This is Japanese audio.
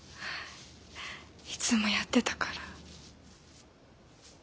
いつもやってたから。